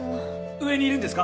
上にいるんですか？